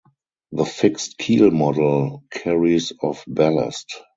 The fixed keel model carries of ballast.